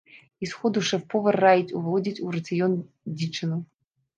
І з ходу шэф-повар раіць уводзіць у рацыён дзічыну.